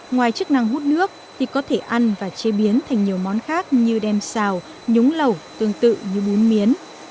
ngoài chức năng hút nước thì có thể ăn và chế biến thành nhiều món khác như đem xào nhúng lẩu tương tự như bún miến